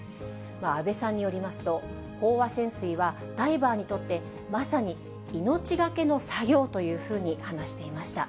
安倍さんによりますと、飽和潜水は、ダイバーにとって、まさに命懸けの作業というふうに話していました。